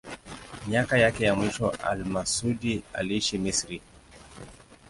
Miaka yake ya mwisho al-Masudi aliishi Misri.